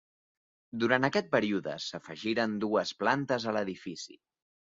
Durant aquest període s'afegiren dues plantes a l'edifici.